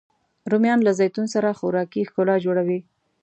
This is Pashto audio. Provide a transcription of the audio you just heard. رومیان له زیتون سره خوراکي ښکلا جوړوي